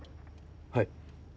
はい。